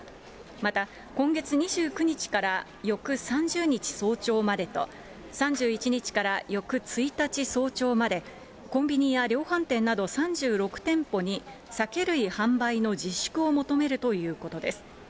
また今月２９日から翌３０日早朝までと、３１日から翌１日早朝まで、コンビニや量販店など３６店舗に酒類販売の自粛を求めるということです。